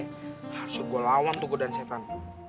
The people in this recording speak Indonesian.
harus gua lawan tuh godaan setan